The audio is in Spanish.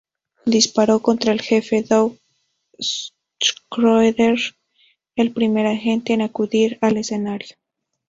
Disparó contra el Jefe Doug Schroeder, el primer agente en acudir al escenario.